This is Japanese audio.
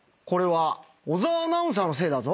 小澤アナウンサーのせいだぞ。